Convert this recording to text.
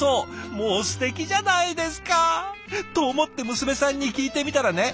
もうすてきじゃないですか。と思って娘さんに聞いてみたらね